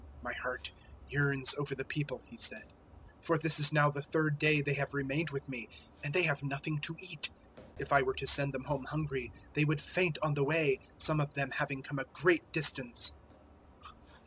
008:002 "My heart yearns over the people," He said; "for this is now the third day they have remained with me, and they have nothing to eat. 008:003 If I were to send them home hungry, they would faint on the way, some of them having come a great distance."